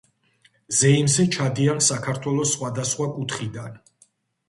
ზეიმზე ჩადიან საქართველოს სხვადასხვა კუთხიდან.